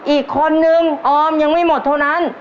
อีกคนนึงออมยังไม่หมดเท่านั้น